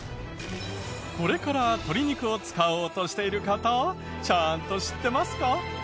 これから鶏肉を使おうとしている方ちゃんと知ってますか？